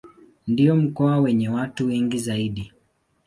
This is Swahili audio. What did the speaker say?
Ndio mkoa wenye watu wengi zaidi.